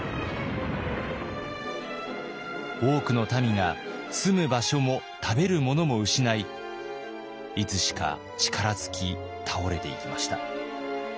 多くの民が住む場所も食べるものも失いいつしか力尽き倒れていきました。